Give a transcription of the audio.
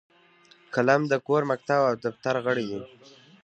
قلم د کور، مکتب او دفتر غړی دی